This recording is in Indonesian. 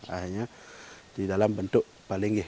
akhirnya di dalam bentuk palinggih